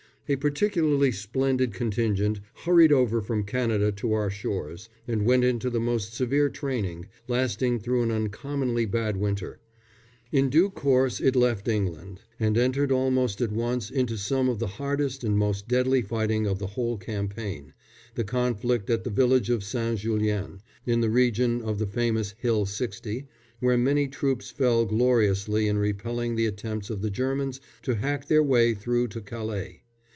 A particularly splendid contingent hurried over from Canada to our shores, and went into the most severe training, lasting through an uncommonly bad winter. In due course it left England, and entered almost at once into some of the hardest and most deadly fighting of the whole campaign the conflict at the village of St. Julien, in the region of the famous Hill 60, where many troops fell gloriously in repelling the attempts of the Germans to hack their way through to Calais.